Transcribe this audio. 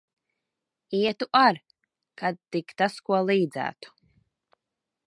Ietu ar, kad tik tas ko līdzētu.